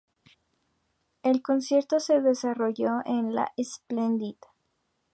El concierto se desarrolló en Le Splendid.